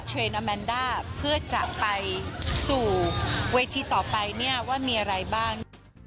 เทรนอแมนด้าเพื่อจะไปสู่เวทีต่อไปเนี่ยว่ามีอะไรบ้าง